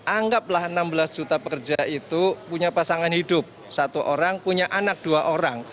anggaplah enam belas juta pekerja itu punya pasangan hidup satu orang punya anak dua orang